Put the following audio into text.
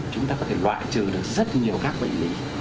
chúng ta có thể loại trừ được rất nhiều các bệnh lý